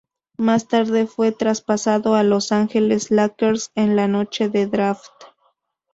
Más tarde, fue traspasado a Los Angeles Lakers en la noche del draft.